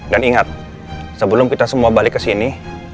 dan ingat sebelum kita semua balik ke sini